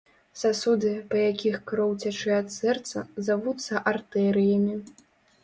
Сасуды, па якіх кроў цячэ ад сэрца, завуцца артэрыямі.